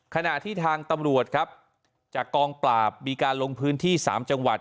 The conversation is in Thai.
ขณะที่ทางตำรวจครับจากกองปราบมีการลงพื้นที่๓จังหวัด